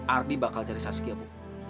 adi bakal cari saskia bu